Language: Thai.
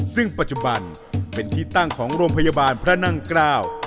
ซึ่งปัจจุบันเป็นที่ตั้งของโรงพยาบาลพระนั่งเกล้า